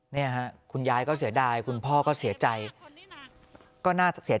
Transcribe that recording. เนี่ยฮะคุณยายก็เสียดายคุณพ่อก็เสียใจก็น่าเสีย